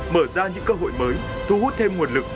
mở ra những cơ hội mới thu hút thêm nguồn lực